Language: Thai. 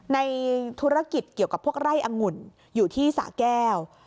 ในธุรกิจเกี่ยวกับพวกไร่อังุ่นอยู่ที่สะแก้ว